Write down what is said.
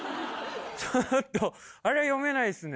ちょっとあれは読めないっすね